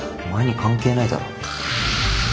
お前に関係ないだろ。